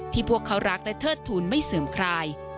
พวกเขารักและเทิดทูลไม่เสื่อมคลาย